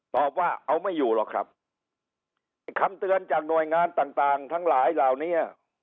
ตอบว่าเอาไม่อยู่หรอกครับไอ้คำเตือนจากหน่วยงานต่างต่างทั้งหลายเหล่านี้